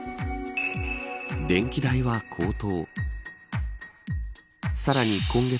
電気代は高騰。